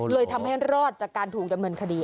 เลยทำให้รอดจากการถูกดำเนินคดี